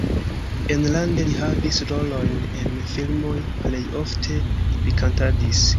Enlande li havis rolojn en filmoj, plej ofte li kantadis.